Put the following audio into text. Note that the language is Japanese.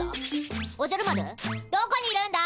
どこにいるんだ？